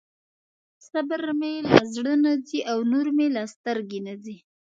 صبر مې له زړه نه ځي او نور مې له سترګې نه ځي.